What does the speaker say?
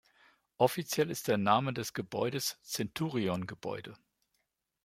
Offiziell ist der Name des Gebäudes Centurion-Gebäude.